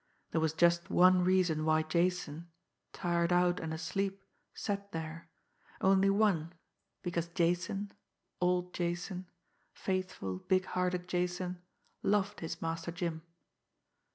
There was just one reason why Jason, tired out and asleep, sat there only one because Jason, old Jason, faithful, big hearted Jason, loved his Master Jim.